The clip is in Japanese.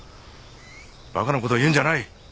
バカなことを言うんじゃない！